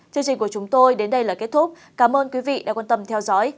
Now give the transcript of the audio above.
chương trình của chúng tôi đến đây là kết thúc cảm ơn quý vị đã quan tâm theo dõi